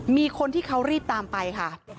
มีคนที่เขารีบตามไปค่ะ